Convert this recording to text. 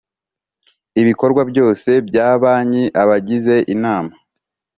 ibikorwa byose bya banki Abagize inama